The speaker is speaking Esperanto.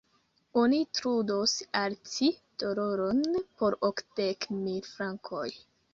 Oni trudos al ci doloron por okdek mil frankoj.